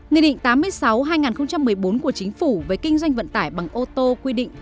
nghị định tám mươi sáu hai nghìn một mươi bốn của chính phủ về kinh doanh vận tải bằng ô tô quy định